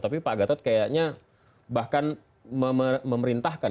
tapi pak gatot kayaknya bahkan memerintahkan